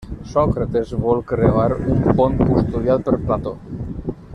Sòcrates vol creuar un pont custodiat per Plató.